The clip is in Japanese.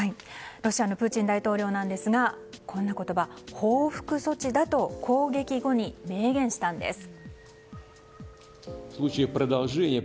ロシアのプーチン大統領ですが報復措置だと攻撃後に明言したんです。